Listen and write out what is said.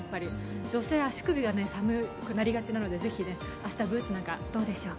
女性、足首が寒くなりがちなので、ぜひ明日ブーツなんかどうでしょうか。